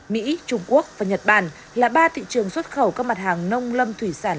mỹ trung quốc và nhật bản là ba thị trường xuất khẩu các mặt hàng nông lâm thủy sản